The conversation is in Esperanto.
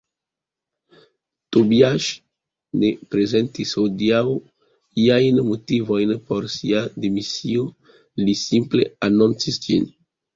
Tobiasz ne prezentis hodiaŭ iajn motivojn por sia demisio, li simple anoncis ĝin.